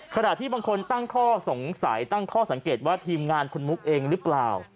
ขณะที่บางคนตั้งข้อสงสัยตั้งข้อสังเกตว่าทีมงานคุณมุกเองหรือเปล่า